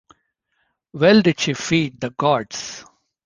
Well did she feed the gods.